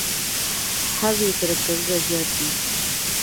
هم یې کرکټرونه زیات دي.